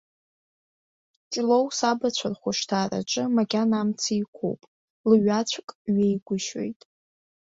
Ҷлоу сабацәа рхәышҭаараҿы макьана амца еиқәуп, лҩаҵәк ҩеигәышьоит.